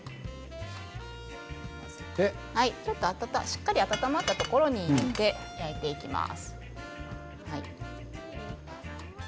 しっかり温まったところに入れて焼いていきます。